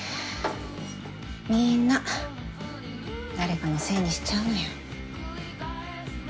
みんな誰かのせいにしちゃうのよ。